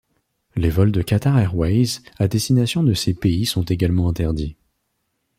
Les vols de Qatar Airways à destination de ces pays sont également interdits.